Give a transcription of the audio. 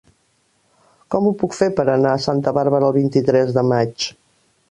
Com ho puc fer per anar a Santa Bàrbara el vint-i-tres de maig?